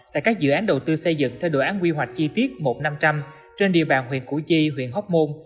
tại các dự án đầu tư xây dựng theo đồ án quy hoạch chi tiết một năm trăm linh trên địa bàn huyện củ chi huyện hóc môn